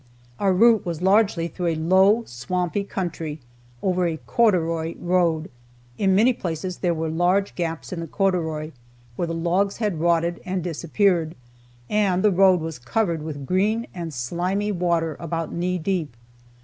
Our route was largely through a low, swampy country, over a "corduroy" road. In many places there were large gaps in the corduroy, where the logs had rotted and disappeared, and the road was covered with green and slimy water about knee deep.